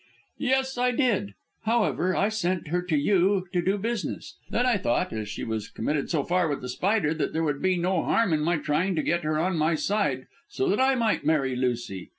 "Yes, I did. However, I sent her to you to do business. Then I thought as she was committed so far with The Spider that there would be no harm in my trying to get her on my side so that I might marry Lucy.